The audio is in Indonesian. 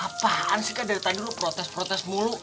apaan sih kan dari tadi lu protes protes mulu